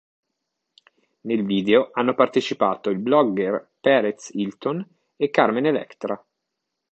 Nel video hanno partecipato il blogger Perez Hilton e Carmen Electra.